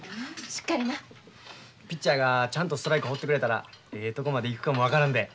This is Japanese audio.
ピッチャーがちゃんとストライク放ってくれたらええとこまでいくかも分からんで。